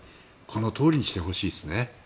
このとおりにしてほしいですね。